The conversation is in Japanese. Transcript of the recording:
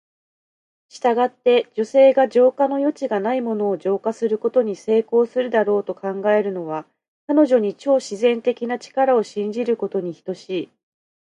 したがって、女性が浄化の余地がないものを浄化することに成功するだろうと考えるのは、彼女に超自然的な力を信じることに等しい。